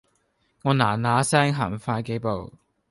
我嗱嗱聲行快幾步